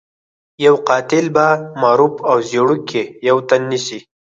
يو قاتل په معروف او زيړوک کې يو تن نيسي.